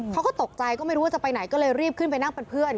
เขาก็ตกใจก็ไม่รู้ว่าจะไปไหนก็เลยรีบขึ้นไปนั่งเป็นเพื่อน